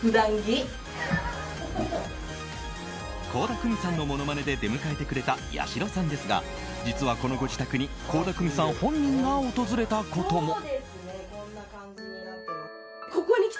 倖田來未さんのものまねで出迎えてくれたやしろさんですが実は、このご自宅に倖田來未さん本人が訪れたことも。